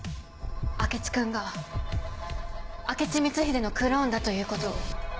明智君が明智光秀のクローンだということを。